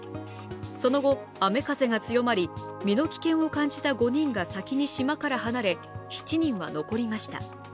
その後、雨風が強まり身の危険を感じた５人が先に島から離れ７人は残りました。